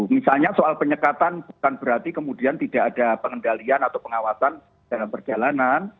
misalnya soal penyekatan bukan berarti kemudian tidak ada pengendalian atau pengawasan dalam perjalanan